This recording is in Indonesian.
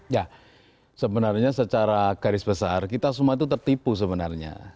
ya sebenarnya secara garis besar kita semua itu tertipu sebenarnya